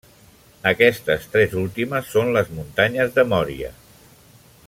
Aquestes tres últimes són les muntanyes de Mòria.